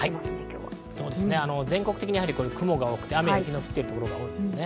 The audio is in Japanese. そうですね、全国的に雲が多くて、雨や雪が降ってるところ、多いですね。